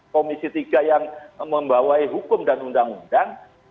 komisi tiga yang membawai hukum dan undang undang